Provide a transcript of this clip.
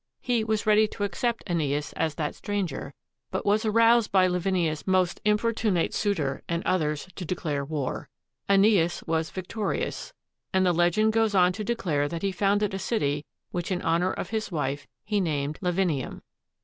He was ready to accept ^neas as that stranger, but was aroused by Lavinia's most importunate suitor and others to declare war. ^neas was victorious, and the legend goes on to declare that he founded a city which, in honor of his wife, he named Lavin ium.